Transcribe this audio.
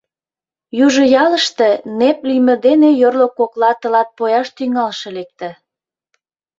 Южо ялыште нэп лийме дене йорло кокла тылат пояш тӱҥалше лекте.